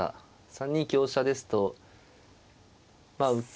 ３二香車ですとまあ受け。